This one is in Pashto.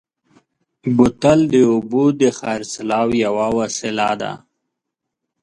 بوتل د اوبو د خرڅلاو یوه وسیله ده.